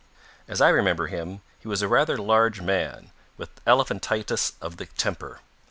As I remember him, he was a rather large man with elephantiasis of the temper.